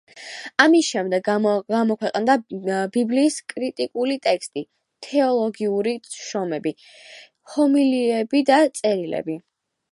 ამის შემდეგ გამოქვეყნდა ბიბლიის კრიტიკული ტექსტი, თეოლოგიური შრომები, ჰომილიები და წერილები.